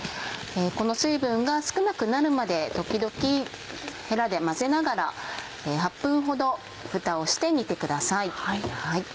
この水分が少なくなるまで時々ヘラで混ぜながら８分ほどフタをして煮てください。